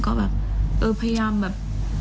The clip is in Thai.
ก็แบบเออพยายามแบบ